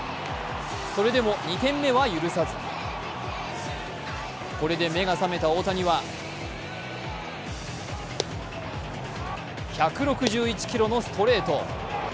それでも２点目は許さず、これで目が覚めた大谷は１６１キロのストレート。